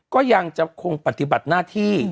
ก็ยังจะคงปฏิบัติหน้าที่